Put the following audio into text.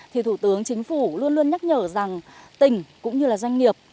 thì thủ tướng chính phủ luôn luôn nhắc nhở rằng tỉnh cũng như doanh nghiệp